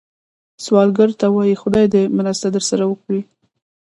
سوالګر ته ووايئ “خدای دې مرسته درسره وي”